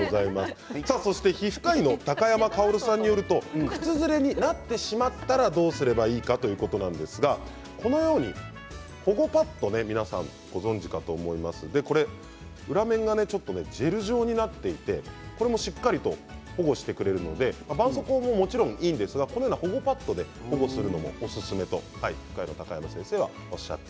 皮膚科医の高山かおるさんによると靴ずれになってしまったらどうすればいいかということなんですがこのように保護パッドで皆さん、ご存じかと思いますが裏面がジェル状になっていてしっかりと保護してくれるのでばんそうこうももちろんいいんですが保護パッドで保護するのがおすすめということです。